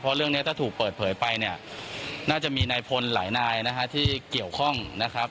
เพราะเรื่องนี้ถ้าถูกเปิดเผยไปเนี่ยน่าจะมีนายพลหลายนายนะฮะที่เกี่ยวข้องนะครับ